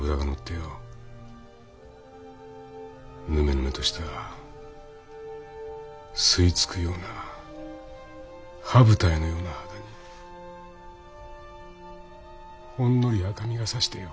ぬめぬめとした吸い付くような羽二重のような肌にほんのり赤みがさしてよ。